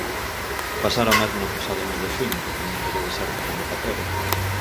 Pasara o mesmo no pasado mes de xuño, que tamén quedou deserta a convocatoria.